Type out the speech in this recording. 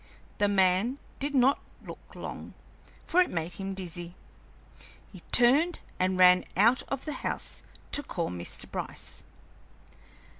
The man did not look long, for it made him dizzy. He turned and ran out of the house to call Mr. Bryce.